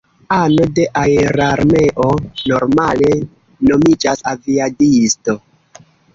Ano de aerarmeo normale nomiĝas aviadisto.